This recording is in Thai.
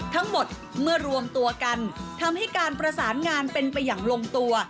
ทั้งหมดเมื่อรวมตัวกันทำให้การประสานงานเป็นไปอย่างลงตัว